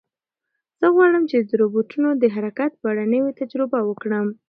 زه غواړم چې د روبوټونو د حرکت په اړه نوې تجربه وکړم.